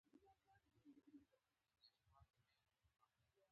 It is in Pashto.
د نرخ توازن د بازار ثبات ساتي.